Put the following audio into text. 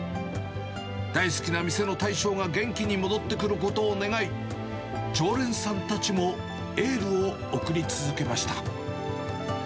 大好きな店の大将が元気に戻ってくることを願い、常連さんたちもエールを送り続けました。